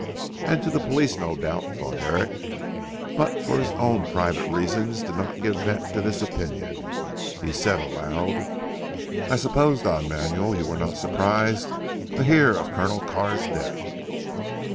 "And to the police no doubt," thought Herrick; but for his own private reasons did not give vent to this opinion. He said aloud, "I suppose Don Manuel, you were not surprised to hear of Colonel Carr's death."